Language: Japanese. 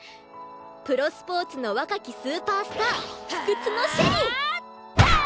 プロスポーツの若きスーパースター不屈のシェリイ！